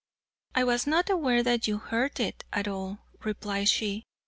"I was not aware that you heard it at all," replied she.